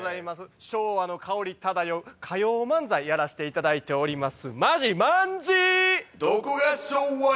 昭和の薫り漂う歌謡漫才やらせていただいております。